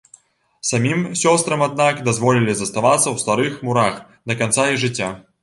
Самім сёстрам аднак дазволілі заставацца ў старых мурах да канца іх жыцця.